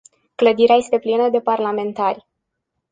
Clădirea este plină de parlamentari.